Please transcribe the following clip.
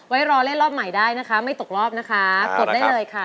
รอเล่นรอบใหม่ได้นะคะไม่ตกรอบนะคะกดได้เลยค่ะ